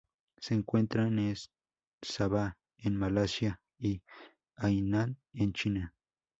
Se encuentra en Sabah en Malasia y Hainan en China.